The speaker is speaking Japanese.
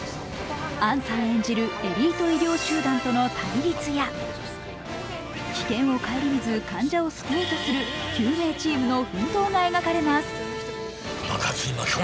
杏さん演じるエリート医療集団との対立や危険を顧みず患者を救おうとする救命チームの奮闘が描かれます。